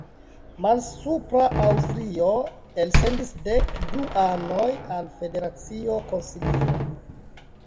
Malsupra Aŭstrio elsendis dek du anoj al federacio konsilio.